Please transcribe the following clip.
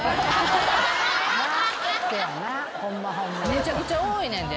めちゃくちゃ多いねんで。